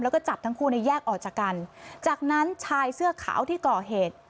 แล้วก็จับทั้งคู่ในแยกออกจากกันจากนั้นชายเสื้อขาวที่ก่อเหตุ